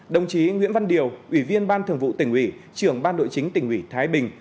đồng chí nguyễn văn điều ủy viên ban thường vụ tỉnh ủy trưởng ban nội chính tỉnh ủy thái bình